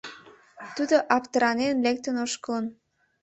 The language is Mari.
Тудо аптыранен лектын ошкылын.